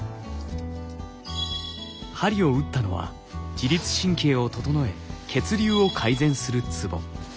鍼を打ったのは自律神経を整え血流を改善するツボ。